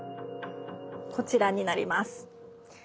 こちらになります。